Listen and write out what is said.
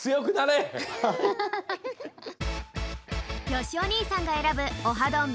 よしお兄さんが選ぶオハどん！